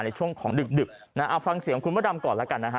ในช่วงของดึกนะฮะเอาฟังเสียงคุณพระดำก่อนแล้วกันนะฮะ